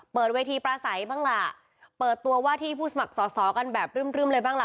เปิดเวทีปลาใสบ้างล่ะเปิดตัวว่าที่ผู้สมัครสอสอกันแบบรึ่มเลยบ้างล่ะ